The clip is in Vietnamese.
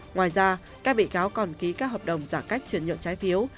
ngoài ra các bị cáo còn ký các hợp đồng giả cách chuyển nhượng trái phiếu